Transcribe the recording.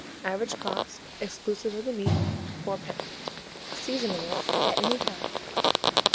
Average cost, exclusive of the meat, 4d. Seasonable at any time.